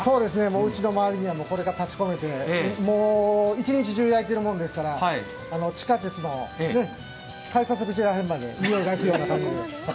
うちの周りにはこれが立ち込めて、もう一日中焼いてるもんですから地下鉄の改札口ら辺までにおいがいくような感じ。